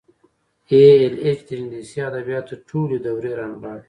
ای ایل ایچ د انګلیسي ادبیاتو ټولې دورې رانغاړي.